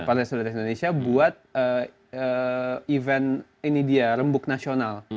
partai solidaritas indonesia buat event ini dia rembuk nasional